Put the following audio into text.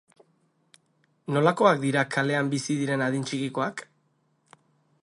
Nolakoak dira kalean bizi diren adin txikikoak?